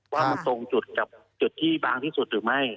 ว่ามันตรงจุดกับจุดที่บางที่สุดหรือไม่